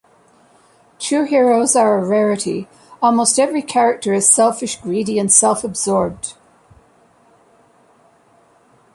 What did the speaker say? True heroes are a rarity: almost every character is selfish, greedy, and self-absorbed.